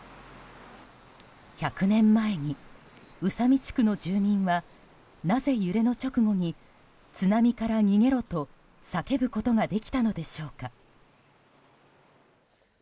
１００年前に宇佐美地区の住民はなぜ揺れの直後に津波から逃げろと叫ぶことができたのでしょうか。